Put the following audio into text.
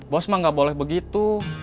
bos mah gak boleh begitu